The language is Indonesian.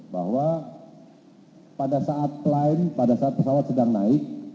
bahwa pada saat pesawat sedang naik